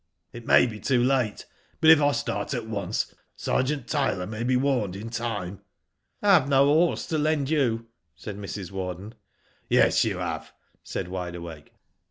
It may be too late, but if I start at once^ Sergeant Tyler may be warned in time.'' " I have no horse to lend you," said Mrs. War den. " Yes you have," said Wide Awake.